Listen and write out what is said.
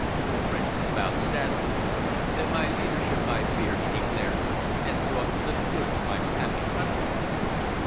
The Prince bowed sadly. "My leadership, I fear," he declared, "has brought little good to my unhappy country."